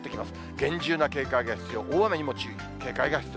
厳重な警戒が必要。